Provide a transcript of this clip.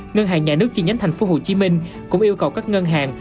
ngân hàng nhà nước chi nhánh tp hcm cũng yêu cầu các ngân hàng